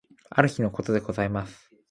ある日の事でございます。